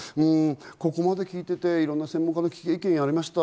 ここまで聞いていて、いろんな専門家の意見がありました。